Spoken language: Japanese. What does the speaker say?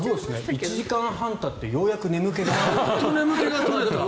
１時間半たってようやく眠気が吹っ飛んだ。